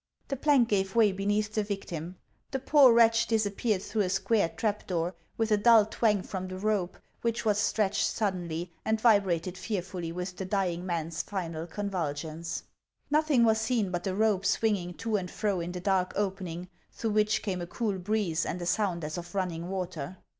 The plank gave way beneath the victim ; the poor wretch disappeared through a square trap door with a dull twang from the rope, which was stretched suddenly and vibrated fearfully with the dying man's final convulsions. Nothing was seen but the rope swinging to and fro in the dark opening, through which came a cool breeze and a sound as of running water.